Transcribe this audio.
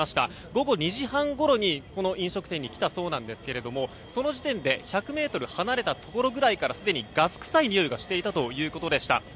午後２時半ごろにこの飲食店に来たそうですがその時点で１００ｍぐらい離れたところからすでにガス臭い匂いがしていたということでした。